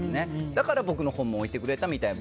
だから僕の本も置いてくれたみたいな。